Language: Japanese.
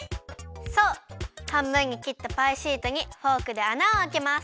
そうはんぶんにきったパイシートにフォークであなをあけます。